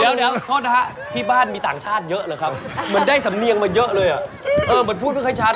เดี๋ยวข้อทะทะที่บ้านมีต่างชาติเยอะเลยครับมันได้สำเนียงมาเยอะเลยเออพูดไม่ค่อยชัด